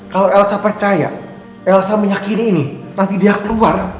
kalau elsa percaya elsa meyakini ini nanti dia keluar